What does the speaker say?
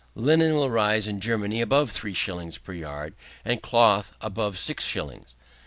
Linen will rise in Germany above three shillings per yard, and cloth above six shillings.